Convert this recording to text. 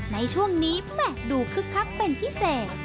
ในช่วงนี้แหม่ดูคึกคักเป็นพิเศษ